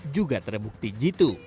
juga terbukti g dua